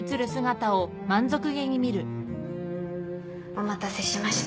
お待たせしました。